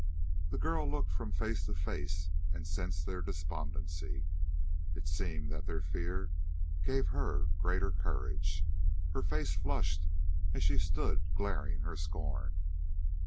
The girl looked from face to face, and sensed their despondency. It seemed that their fear gave her the greater courage. Her face flushed as she stood glaring her scorn.